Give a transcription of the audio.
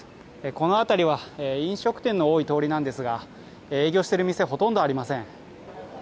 この辺りは飲食店の多い通りなんですが、営業している店はほとんどありません。